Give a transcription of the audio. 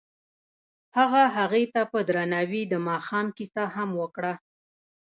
هغه هغې ته په درناوي د ماښام کیسه هم وکړه.